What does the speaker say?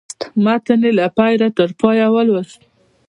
متن یې له پیله تر پایه ولوست.